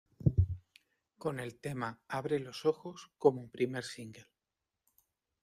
Con el tema "Abre los ojos" como primer single.